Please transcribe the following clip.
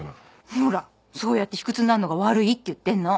ほらそうやって卑屈になんのが悪いって言ってんの。